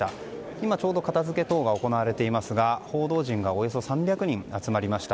今、ちょうど片付け等が行われていますが報道陣がおよそ３００人集まりました。